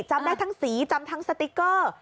จำได้ทั้งสีจำทั้งสติ๊กเกอร์